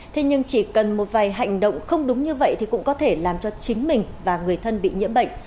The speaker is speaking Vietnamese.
thế nhưng chỉ cần một vài hành động không đúng như vậy thì cũng có thể làm cho chính mình và người thân bị nhiễm bệnh